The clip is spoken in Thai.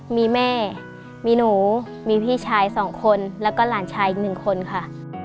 มีแม่มีหนูมีพี่ชาย๒คนแล้วก็หลานชายอีกหนึ่งคนค่ะ